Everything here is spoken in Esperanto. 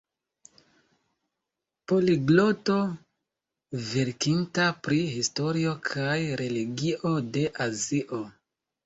Poligloto verkinta pri historio kaj religio de Azio.